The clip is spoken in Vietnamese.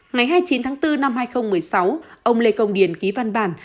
ngày hai mươi chín tháng bốn năm hai nghìn một mươi sáu ông lê công điền ký văn bản